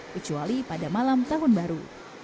kecuali pada malam tahun baru